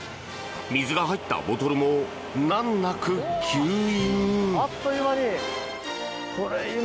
水が入ったボトルも難なく吸引！